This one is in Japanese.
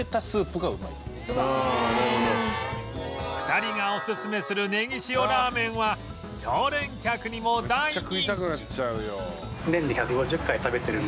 ２人がオススメするネギ塩ラーメンは常連客にも大人気！